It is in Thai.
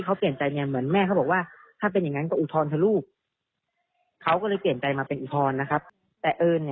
ก็เอิญเรื่องเรื่องเตรียมธรรมพุทธ